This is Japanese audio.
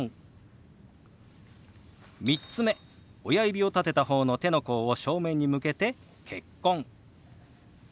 親指を立てた方の手の甲を正面に向けて「結婚」。